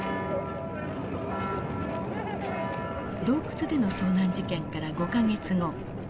洞窟での遭難事件から５か月後。